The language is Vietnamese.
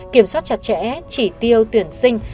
kiểm soát chặt chẽ chỉ tiêu tuyển sinh